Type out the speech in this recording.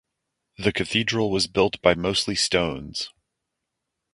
The cathedral was built by mostly stones.